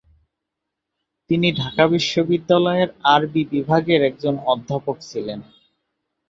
তিনি ঢাকা বিশ্ববিদ্যালয়ের আরবি বিভাগের একজন অধ্যাপক ছিলেন।